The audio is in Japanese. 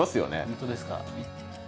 本当ですか。